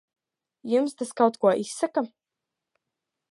Jums tas kaut ko izsaka?